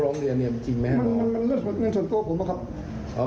มันคือเนื้อนส่วนตัวผมเหรอครับ